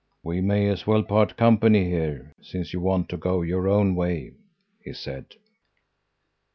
"'We may as well part company here, since you want to go your own way,' he said.